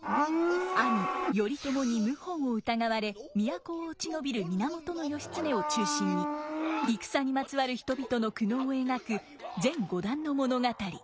兄頼朝に謀反を疑われ都を落ち延びる源義経を中心に戦にまつわる人々の苦悩を描く全五段の物語。